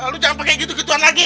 lo jangan pake gitu gituan lagi